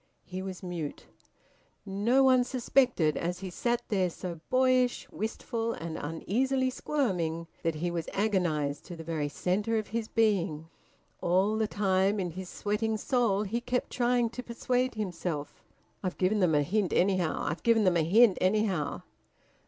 He was mute. No one suspected, as he sat there, so boyish, wistful, and uneasily squirming, that he was agonised to the very centre of his being. All the time, in his sweating soul, he kept trying to persuade himself: "I've given them a hint, anyhow! I've given them a hint, anyhow!"